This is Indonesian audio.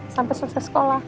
sampai selesai sekolah